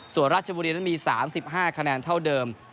ส่วนราชบุรีนั้นมี๓๕คะแนนเท่าเดิม